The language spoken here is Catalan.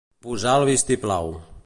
Posar el vistiplau.